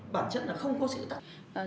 bản chất là không có sự xô sát